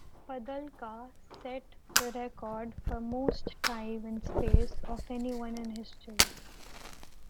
Padalka set the record for most time in space of anyone in history.